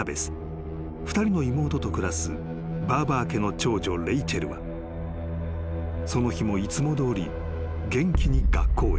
［２人の妹と暮らすバーバー家の長女レイチェルはその日もいつもどおり元気に学校へ］